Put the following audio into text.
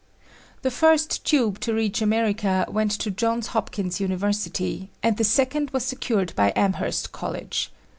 The first tube to reach America went to Johns Hopkins University and the second was secured by Amherst College.